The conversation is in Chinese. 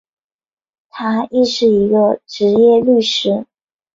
他亦是一个执业律师。